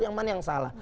yang mana yang salah